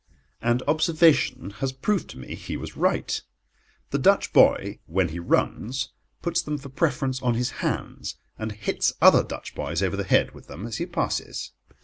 And observation has proved to me he was right. The Dutch boy, when he runs, puts them for preference on his hands, and hits other Dutch boys over the head with them as he passes.